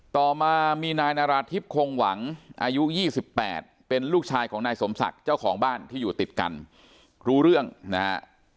ต่อมามีนายนาราธิบคงหวังอายุ๒๘เป็นลูกชายของนายสมศักดิ์เจ้าของบ้านที่อยู่ติดกันรู้เรื่องนะฮะ